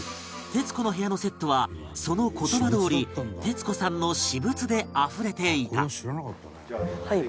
『徹子の部屋』のセットはその言葉どおり徹子さんの私物であふれていた